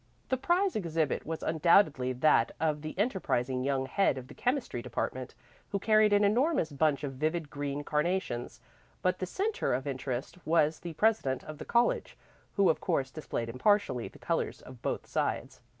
The prize exhibit was undoubtedly that of the enterprising young head of the chemistry department, who carried an enormous bunch of vivid green carnations; but the centre of interest was the president of the college, who of course displayed impartially the colors of both sides.